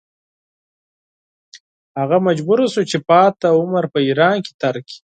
هغه مجبور شو چې پاتې عمر په ایران کې تېر کړي.